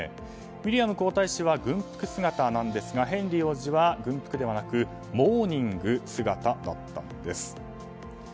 ウィリアム皇太子は軍服姿ですがヘンリー王子は軍服ではなくモーニング姿だったんです。